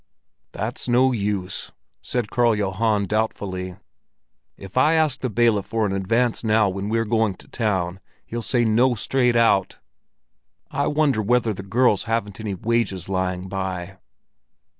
"That's no use," said Karl Johan doubtfully. "If I ask the bailiff for an advance now when we're going to town, he'll say 'no' straight out. I wonder whether the girls haven't wages lying by."